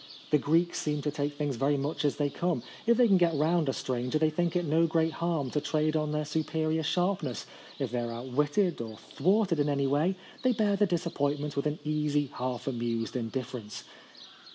The Greeks seem to take things very much as they come. If they can get round a stranger, they think it no great harm to trade on their superior sharpness. If they are outwitted or thwarted in any way, they bear the disappointment with an easy half amused indifference.